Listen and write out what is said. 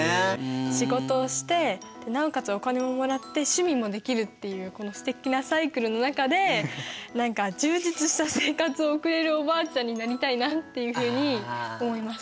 仕事をしてなおかつお金ももらって趣味もできるっていうこのすてきなサイクルの中で何か充実した生活を送れるおばあちゃんになりたいなっていうふうに思いました。